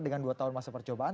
dengan dua tahun masa percobaan